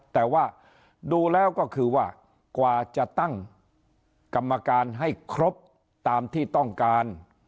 แต่ว่าดูแล้วก็คือว่ากว่าจะตั้งกรรมการให้ครบตามที่ต้องการ